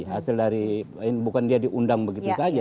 hasil dari bukan dia diundang begitu saja